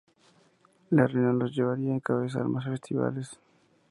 La reunión los llevaría a encabezar más festivales.